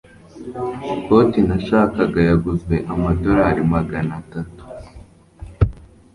ikoti nashakaga yaguzwe amadorari magana atatu